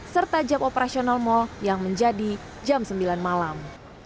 serta jam operasional mal yang menjadi jam sembilan malam